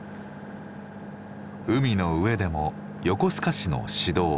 海の上でも横須賀市の市道。